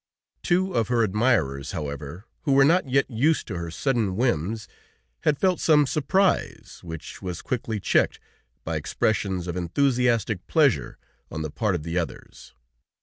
Two of her admirers, however, who were not yet used to her sudden whims, had felt some surprise, which was quickly checked by expressions of enthusiastic pleasure on the part of the others.